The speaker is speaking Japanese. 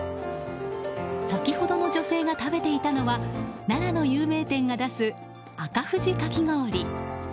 先ほどの女性が食べていたのは奈良の有名店が出す赤富士かき氷。